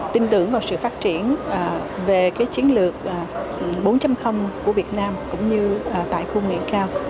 tin tưởng vào sự phát triển về chiến lược bốn của việt nam cũng như tại khuôn nguyện cao